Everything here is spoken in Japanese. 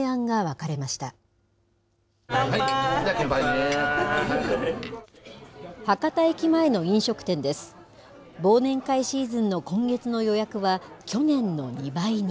忘年会シーズンの今月の予約は、去年の２倍に。